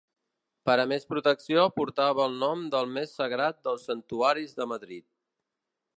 Per a més protecció portava el nom del més sagrat dels santuaris de Madrid.